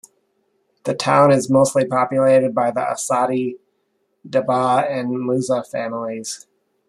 The town is mostly populated by the Asadi, Dabbah and Musa families.